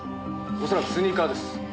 恐らくスニーカーです。